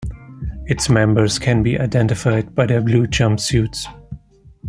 Its members can be identified by their blue jumpsuits.